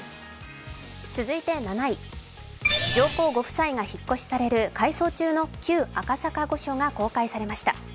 続いて７位、上皇ご夫妻が引っ越しされる改装中の旧赤坂御所が公開されました。